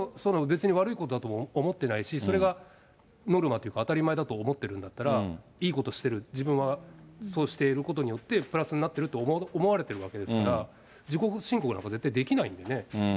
特に悪いことだと思ってないし、それがノルマというか、当たり前だと思ってるんだったら、いいことしてる、自分は、そうしていることによって、プラスになってると思われてるわけですから、自己申告なんか絶対できないんでね。